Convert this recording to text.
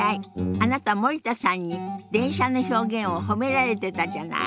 あなた森田さんに「電車」の表現を褒められてたじゃない。